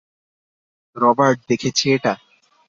Robert দেখেছে এটা?